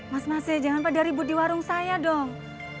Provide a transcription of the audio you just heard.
mas masih jangan pada ribut di warung saya dong